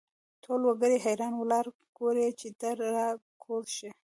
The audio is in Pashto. ټول وګړي حیران ولاړ ګوري چې ته را کوز شې.